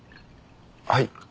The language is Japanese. はい。